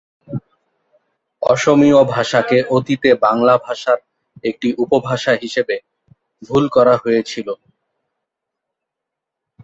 অসমীয়া ভাষাকে অতীতে বাংলা ভাষার একটি উপভাষা হিসেবে ভুল করা হয়েছিল।